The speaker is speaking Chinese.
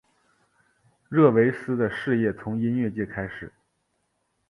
热维斯的事业从音乐界开始。